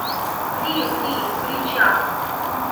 «Вли, вли — влича